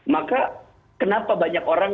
maka kenapa banyak orang